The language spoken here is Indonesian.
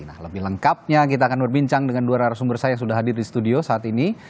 nah lebih lengkapnya kita akan berbincang dengan dua narasumber saya yang sudah hadir di studio saat ini